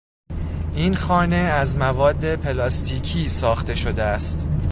این خانه از مواد پلاستیکی ساخته شده است.